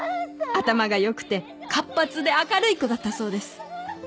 頭が良くて活発で明るい子だったそうです。